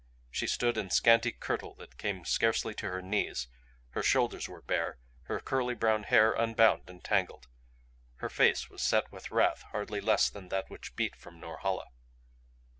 She stood in scanty kirtle that came scarcely to her knees, her shoulders were bare, her curly brown hair unbound and tangled. Her face was set with wrath hardly less than that which beat from Norhala.